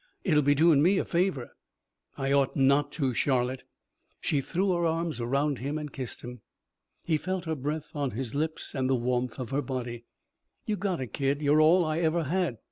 It'll be doin' me a favor." "I ought not to, Charlotte." She threw her arms around him and kissed him. He felt her breath on his lips and the warmth of her body. "You gotta, kid. You're all I ever had.